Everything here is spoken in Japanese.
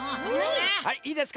はいいいですか？